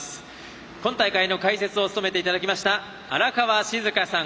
今大会の解説を務めていただきました荒川静香さん